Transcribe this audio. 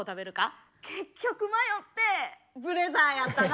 結局迷ってブレザーやったな。